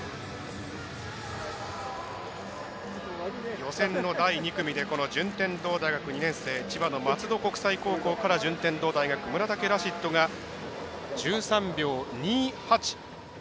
予選の第２組で順天堂大学２年生千葉の松戸国際高校から順天堂大学村竹ラシッドが１３秒２８。